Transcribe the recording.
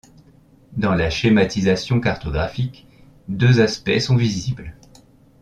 Dans la schématisation cartographique, deux aspects sont visibles.